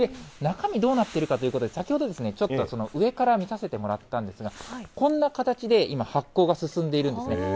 中身どうなっているかということで、先ほど、ちょっと上から見させてもらったんですが、こんな形で今、発酵が進んでいるんですね。